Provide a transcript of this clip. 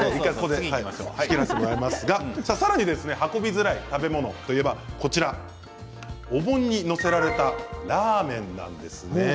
さらに運びづらい食べ物といえばお盆に載せられたラーメンなんですね。